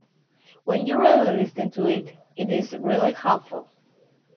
When you really listen to it, it's really hopeful.